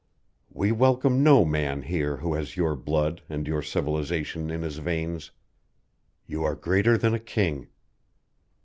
We welcome no man here who has your blood and your civilization in his veins. You are greater than a king!"